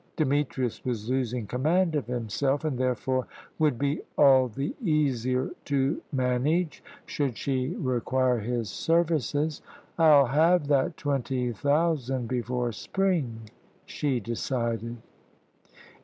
Demetrius was losing command of himself, and therefore would be all the easier to manage, should she require his services. "I'll have that twenty thousand before spring," she decided.